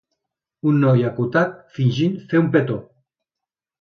Un noi acotat fingint fer un petó.